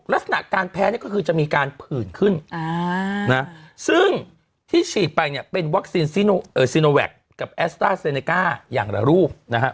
ลักษณะการแพ้เนี่ยก็คือจะมีการผื่นขึ้นซึ่งที่ฉีดไปเนี่ยเป็นวัคซีนซีโนแวคกับแอสต้าเซเนก้าอย่างละรูปนะฮะ